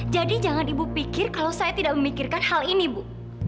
jangan ibu pikir kalau saya tidak memikirkan hal ini bu